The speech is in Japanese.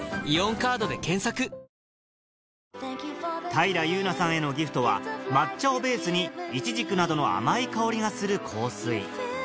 平祐奈さんへのギフトは抹茶をベースにイチジクなどの甘い香りがする香水